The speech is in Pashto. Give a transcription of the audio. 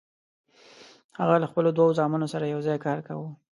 هغه له خپلو دوو زامنو سره یوځای کار کاوه.